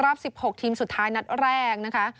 รอบ๑๖ทีมสุดท้ายนัดแรกนะคะ